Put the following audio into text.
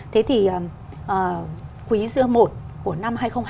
thế thì quý một của năm hai nghìn hai mươi bốn